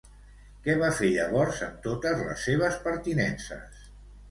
Què va fer llavors amb totes les seves pertinences?